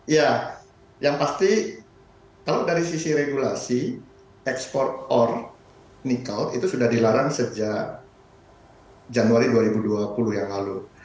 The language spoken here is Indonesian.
ya yang pasti kalau dari sisi regulasi ekspor or nikel itu sudah dilarang sejak januari dua ribu dua puluh yang lalu